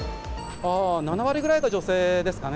７割ぐらいが女性ですかね。